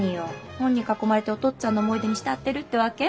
本に囲まれてお父っつぁんの思い出に浸ってるってわけ？